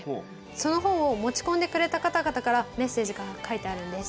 その本を持ち込んでくれた方々からメッセージが書いてあるんです。